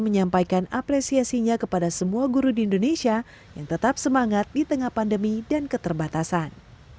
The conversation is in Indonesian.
menyampaikan apresiasinya kepada semua guru di indonesia yang tetap semangat di tengah pandemi dan keterbatasan